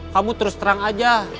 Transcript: kamu terus terang aja